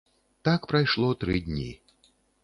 Так прайшло тры дні.